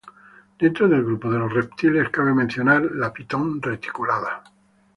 Dentro del grupo de los reptiles, cabe mencionar la pitón reticulada.